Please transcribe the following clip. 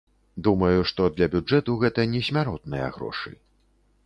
Думаю, што для бюджэту гэта не смяротныя грошы.